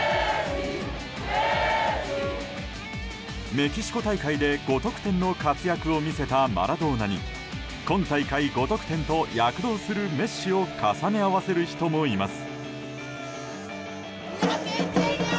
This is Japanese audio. メキシコ大会で５得点の活躍を見せたマラドーナに今大会５得点と躍動するメッシを重ね合わせる人もいます。